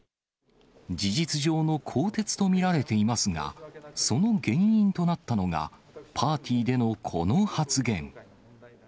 事実上の更迭と見られていますが、その原因となったのが、パーティーでのこの発言。